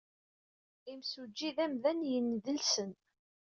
Imsujji d amdan yennedelsen.